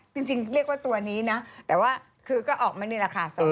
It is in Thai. จริงเรียกว่าตัวนี้นะแต่ว่าคือก็ออกมานี่แหละค่ะ